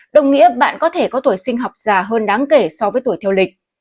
đồng nghĩa bạn có thể có tuổi sinh học già hơn đáng kể so với tuổi theo lịch